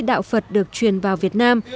đạo phật được truyền vào việt nam